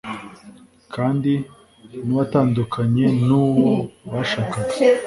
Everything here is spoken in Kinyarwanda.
kandi n'uwatandukanye nu wo bashakanye